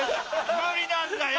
無理なんだよ！